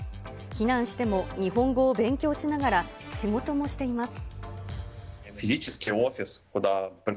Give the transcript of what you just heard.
避難しても、日本語を勉強しながら仕事もしています。